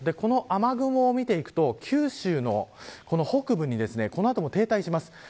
雨雲を見ていくと、九州の北部にこの後も停滞します。